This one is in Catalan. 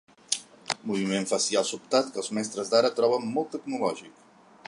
Moviment facial sobtat que els mestres d'ara troben molt tecnològic.